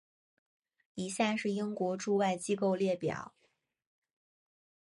以下是英国驻外机构列表。